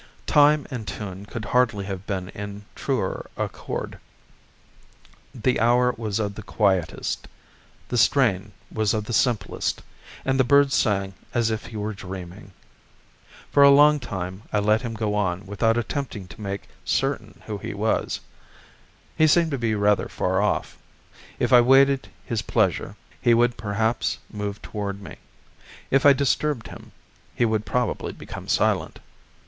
Time and tune could hardly have been in truer accord. The hour was of the quietest, the strain was of the simplest, and the bird sang as if he were dreaming. For a long time I let him go on without attempting to make certain who he was. He seemed to be rather far off: if I waited his pleasure, he would perhaps move toward me; if I disturbed him, he would probably become silent.